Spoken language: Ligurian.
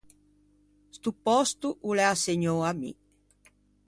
Sto pòsto o l’é assegnou à mi.